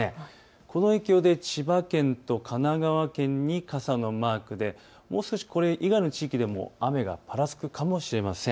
この影響で千葉県と神奈川県に傘のマークでもう少し、これ以外の地域でも雨がぱらつくかもしれません。